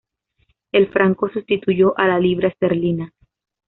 El franco sustituyó a la libra esterlina.